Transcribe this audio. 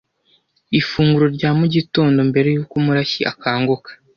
ifunguro rya mu gitondo mbere yuko Murashyi akanguka.